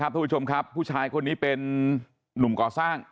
ทุกผู้ชมครับผู้ชายคนนี้เป็นนุ่มก่อสร้าง